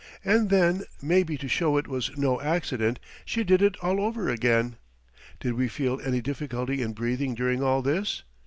And then, maybe to show it was no accident, she did it all over again. Did we feel any difficulty in breathing during all this?